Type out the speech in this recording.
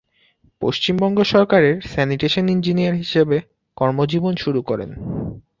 পশ্চিমবঙ্গ সরকারের sanitation engineer হিসাবে কর্মজীবন শুরু করেন।